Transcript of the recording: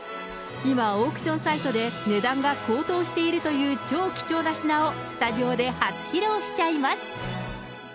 今、オークションサイトで値段が高騰しているという超貴重な品を、スタジオで初披露しちゃいます。